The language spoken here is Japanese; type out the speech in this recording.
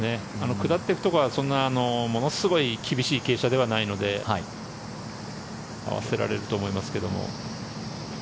下っていくところはものすごい厳しい傾斜ではないので合わせられると思いますけども。